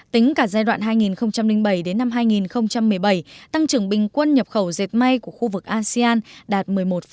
tính cả giai đoạn hai nghìn bảy đến năm hai nghìn một mươi bảy tăng trưởng bình quân nhập khẩu diệt may của khu vực asean đạt một mươi một tám